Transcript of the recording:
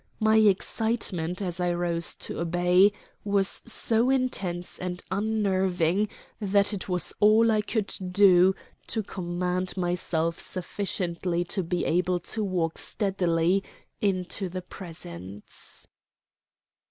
My excitement, as I rose to obey, was so intense and unnerving that it was all I could do to command myself sufficiently to be able to walk steadily into the presence.